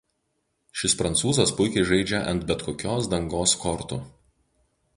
Šis prancūzas puikiai žaidžia ant bet kokios dangos kortų.